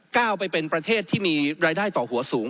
ก้าวไปเป็นประเทศที่มีรายได้ต่อหัวสูง